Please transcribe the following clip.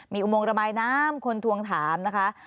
มีอุโมงระบายน้ำคนทวงถามนะคะ